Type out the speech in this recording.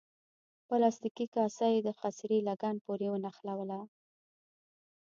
پلاستیکي کاسه یې د خاصرې لګن پورې ونښلوله.